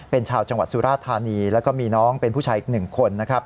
เป็นชาวจังหวัดสุราธานีแล้วก็มีน้องเป็นผู้ชายอีกหนึ่งคนนะครับ